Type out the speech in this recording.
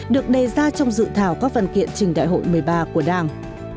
được đề ra trong dự thảo các văn kiện trình đại hội một mươi ba của đảng